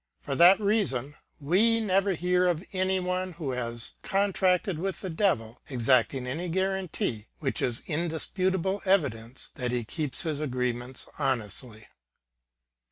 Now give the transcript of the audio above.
For that reason, we never hear of any one who has contracted with the Devil exacting any guarantee, which is indis* putable evidence that he keeps his agreements honestly.